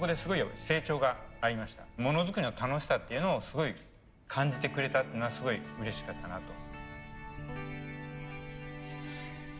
モノづくりの楽しさっていうのをすごい感じてくれたっていうのはすごいうれしかったなと。